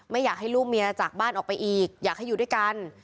อยากให้ลูกเมียจากบ้านออกไปอีกอยากให้อยู่ด้วยกัน